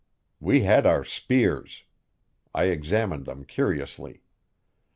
We had our spears. I examined them curiously.